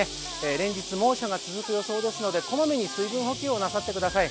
連日、猛暑が続く予想ですのでこまめに水分補給をなさってください。